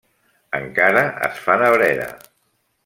Encara es fan a Breda.